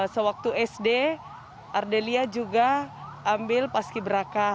sewaktu sd ardelia juga ambil paski beraka